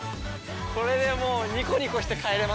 これでもうニコニコして帰れます。